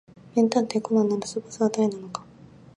名探偵コナンのラスボスは誰なのか